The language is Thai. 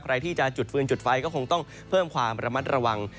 ใครที่จะจุดฟืนจุดไฟก็คงต้องเพิ่มความระมัดระวัง